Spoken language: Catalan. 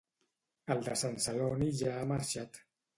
El de Sant Celoni ja ha marxat